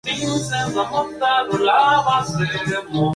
Además, el modo de multijugador en línea tiene ahora un nuevo editor de reglas.